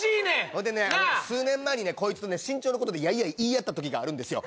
ほんでね数年前にこいつと身長のことでやいやい言い合ったときがあるんですよ。